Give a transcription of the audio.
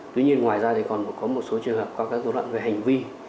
tuy nhiên ngoài ra còn có một số trường hợp có các dấu loạn về hành vi